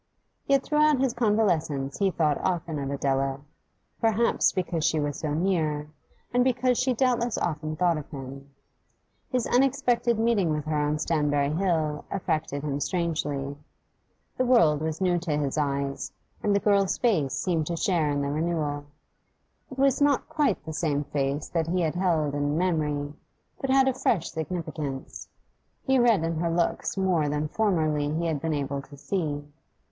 Yet throughout his convalescence he thought often of Adela, perhaps because she was so near, and because she doubtless often thought of him. His unexpected meeting with her on Stanbury Hill affected him strangely: the world was new to his eyes, and the girl's face seemed to share in the renewal; it was not quite the same face that he had held in memory, but had a fresh significance. He read in her looks more than formerly he had been able to see.